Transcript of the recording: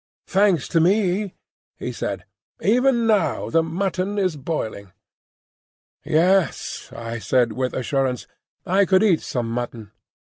"Thanks to me," he said. "Even now the mutton is boiling." "Yes," I said with assurance; "I could eat some mutton."